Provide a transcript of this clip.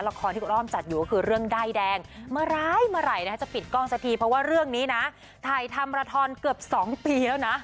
ละครที่คุณอ้อมจัดอยู่ก็คือเรื่องด้ายแดงเมื่อร้ายเมื่อไหร่นะจะปิดกล้องสักทีเพราะว่าเรื่องนี้นะถ่ายทำราทอนเกือบ๒ปีแล้วนะ